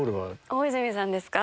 大泉さんですか？